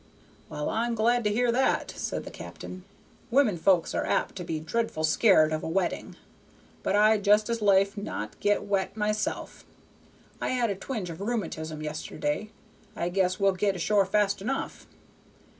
"Well, I'm glad to hear that," said the cap'n. "Women folks are apt to be dreadful scared of a wetting; but I'd just as lief not get wet myself. I had a twinge of rheumatism yesterday. I guess we'll get ashore fast enough.